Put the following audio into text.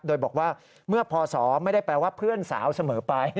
โดยบอกว่าเมื่อพศไม่ได้แปลว่าเพื่อนสาวเสมอไป